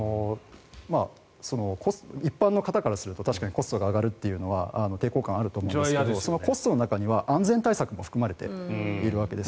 一般の方からすると確かにコストが上がるというのは抵抗感があると思いますがコストの中には安全対策も含まれているわけです。